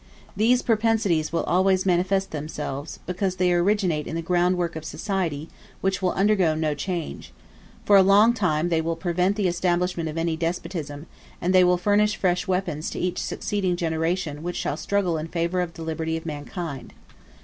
These propensities will always manifest themselves, because they originate in the groundwork of society, which will undergo no change: for a long time they will prevent the establishment of any despotism, and they will furnish fresh weapons to each succeeding generation which shall struggle in favor of the liberty of mankind.